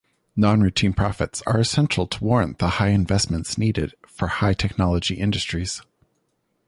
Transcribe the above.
Non-routine profits are essential to warrant the high investments needed for high-technology industries.